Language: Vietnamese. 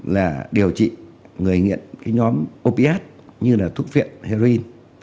là điều trị người nghiện nhóm opiát như là thuốc viện heroin